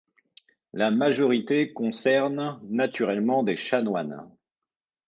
La majorité concernent naturellement des chanoines.